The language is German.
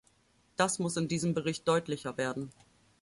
Das muss in diesem Bericht deutlicher werden.